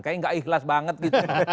kayaknya gak ikhlas banget gitu